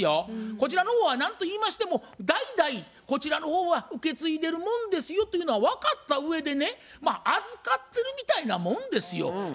こちらの方は何と言いましても代々こちらの方は受け継いでるもんですよというのは分かったうえでね預かってるみたいなもんですよ。